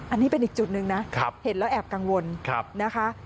อันนี้เป็นอีกจุดหนึ่งนะเห็นแล้วแอบกังวลนะคะ